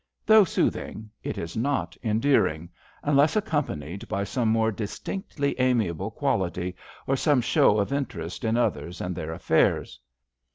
Though soothing it is not endearing, unless accompanied by some more distinctly amiable quality, or some shew of interest in others and their affairs.